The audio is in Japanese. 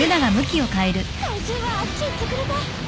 怪獣はあっち行ってくれた。